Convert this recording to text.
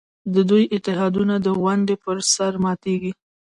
د دوی اتحادونه د ونډې پر سر ماتېږي.